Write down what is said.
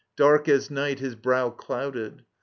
Dark as night his brow Clouded.